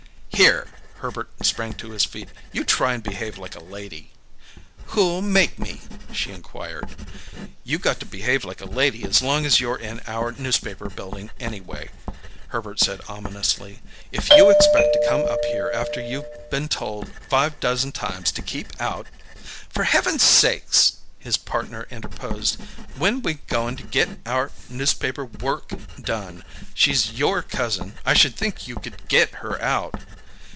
"Here!" Herbert sprang to his feet. "You try and behave like a lady!" "Who'll make me?" she inquired. "You got to behave like a lady as long as you're in our Newspaper Building, anyway," Herbert said ominously. "If you expect to come up here after you been told five dozen times to keep out " "For Heaven's sakes!" his partner interposed. "When we goin' to get our newspaper work done? She's your cousin; I should think you could get her out!"